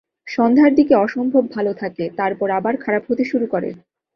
সন্ধ্যার দিকে অসম্ভব ভালো থাকে, তারপর আবার খারাপ হতে শুরু করে।